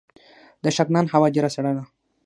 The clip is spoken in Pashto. د شغنان هوا ډیره سړه ده